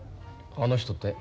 あの人って？